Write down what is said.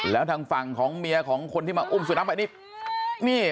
แล้วทางฝั่งของเมียของคนที่มาอุ้มสุนัขไปนี่